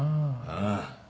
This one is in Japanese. ああ。